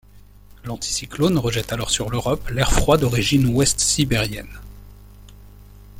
L'anticyclone rejette alors sur l’Europe l’air froid d’origine ouest sibérienne.